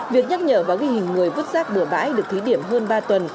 việc nhắc nhở và ghi hình người vứt rác bừa bãi được thí điểm hơn ba tuần